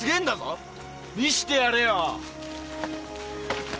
見せてやれよ。